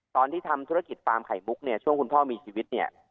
ตอนที่ทำธุรกิจปลามไข่บุ๊กช่วงคุณพ่อมีชีวิต